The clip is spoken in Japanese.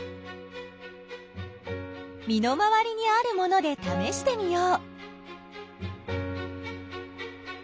みの回りにあるものでためしてみよう。